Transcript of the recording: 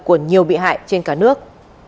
của nhiều bị hại trên cả nước